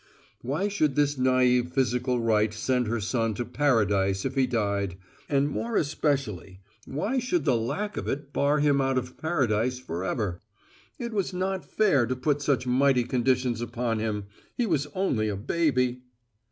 Why should this naïve physical rite send her son to Paradise if he died; and more especially why should the lack of it bar him out of Paradise forever? It was not fair to put such mighty conditions upon him. He was only a baby.